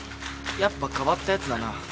やっぱ変わったヤツだな。